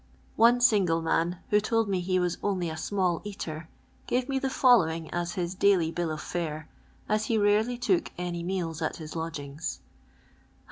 One single man, who told me he was only a small cater, gave me the following as his dailt/ bill of fare, as he rarely took any meals at his lodgings : s. d.